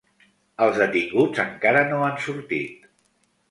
Els detinguts encara no han sortit.